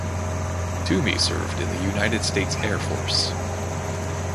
Toomey served in the United States Air Force.